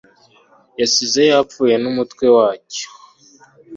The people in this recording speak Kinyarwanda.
Yasize yapfuye numutwe wacyo